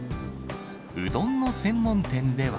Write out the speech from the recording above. うどんの専門店では。